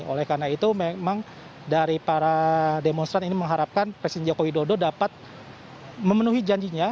oleh karena itu memang dari para demonstran ini mengharapkan presiden joko widodo dapat memenuhi janjinya